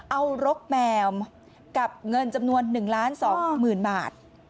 เอารกแมวกับเงินจำนวน๑ล้าน๒หมื่นบาท